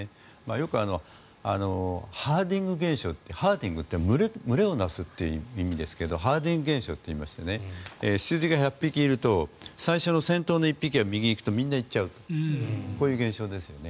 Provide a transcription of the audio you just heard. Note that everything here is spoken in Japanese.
よく、ハーディング現象ってハーディングって群れを成すという意味ですがハーディング現象といいまして羊が１００匹いると最初の１匹の羊が右に行っちゃうとみんな行っちゃうとこういう現象ですよね。